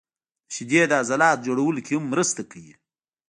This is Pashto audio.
• شیدې د عضلاتو جوړولو کې هم مرسته کوي.